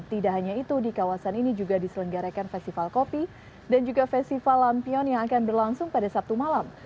tidak hanya itu di kawasan ini juga diselenggarakan festival kopi dan juga festival lampion yang akan berlangsung pada sabtu malam